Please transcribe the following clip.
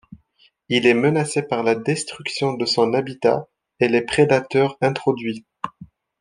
Il est menacé par la destruction de son habitat et les prédateurs introduits.